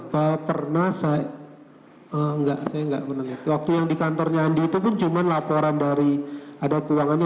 pernah saya enggak saya enggak mendengar waktu yang di kantornya andi itu pun cuma laporan dari ada keuangannya